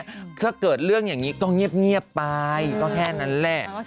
ถ้าเกิดเรื่องอย่างนี้ก็เงียบไปก็แค่นั้นแหละ